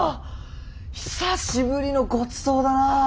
久しぶりのごちそうだなあ！